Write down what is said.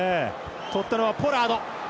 とったのはポラード。